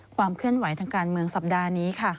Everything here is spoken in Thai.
ความเคลื่อนไหวทางการเมืองสัปดาห์นี้ค่ะ